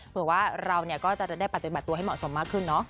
เผื่อว่าเราก็จะได้ปฏิบัติตัวให้เหมาะสมมากขึ้นเนาะ